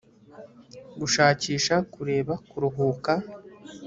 gushakisha, kureba, kuruhuka